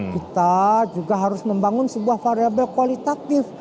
kita juga harus membangun sebuah variable kualitatif